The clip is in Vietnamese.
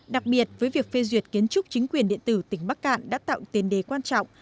đặc biệt với việc phê duyệt kiến trúc chính quyền điện tử tỉnh bắc cạn đã tạo tiền đề quan trọng